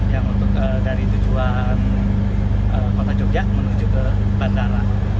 yang untuk dari tujuan kota jogja menuju ke bandara